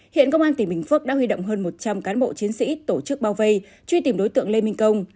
hiện công an tỉnh bình phước đã huy động hơn một trăm linh cán bộ chiến sĩ tổ chức bao vây truy tìm đối tượng lê minh công